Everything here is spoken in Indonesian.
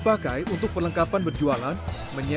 sampai aku kayak ya ampun kok gak ada capeknya